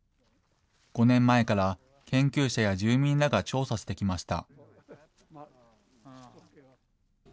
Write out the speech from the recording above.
５年前から、研究者や住民らが調査してきました。